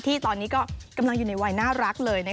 ที่ตอนนี้ก็กำลังอยู่ในวัยน่ารักเลย